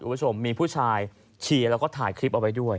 คุณผู้ชมมีผู้ชายเชียร์แล้วก็ถ่ายคลิปเอาไว้ด้วย